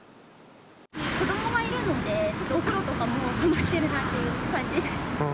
子どもがいるので、ちょっとお風呂とかも困ってるっていう感じです。